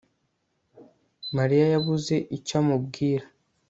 Mariya yabuze icyo amubwira